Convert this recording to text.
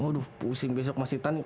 waduh pusing besok masih tani